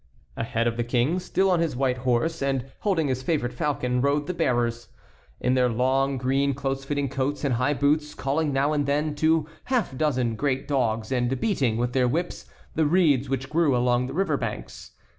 Ahead of the King, still on his white horse and holding his favorite falcon, rode the beaters, in their long green close fitting coats and high boots, calling now and then to the half dozen great dogs, and beating, with their whips, the reeds which grew along the river banks.